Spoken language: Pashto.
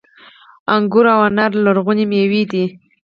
انګور او انار لرغونې میوې دي